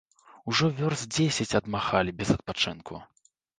Ужо вёрст дзесяць адмахалі без адпачынку.